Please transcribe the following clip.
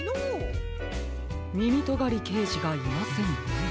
みみとがりけいじがいませんね。